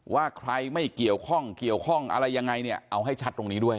ว่าใครไม่เกี่ยวข้องเกี่ยวข้องอะไรยังไงเนี่ยเอาให้ชัดตรงนี้ด้วย